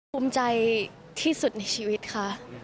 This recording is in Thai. ภูมิใจที่สุดในชีวิตค่ะ